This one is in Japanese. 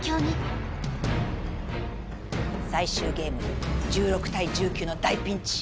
最終ゲーム１６対１９の大ピンチ。